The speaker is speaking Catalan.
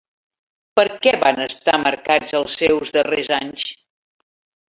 Per què van estar marcats els seus darrers anys?